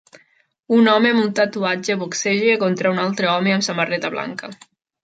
Un home amb un tatuatge boxeja contra un altre home amb samarreta blanca